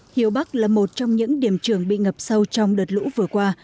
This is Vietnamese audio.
hiếu bắc là một trong những điểm trường bị ngập sâu trong đợt lũ vừa qua